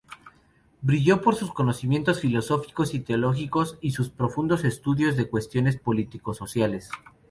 Brilló por sus conocimientos filosóficos y teológicos y sus profundos estudios de cuestiones político-sociales.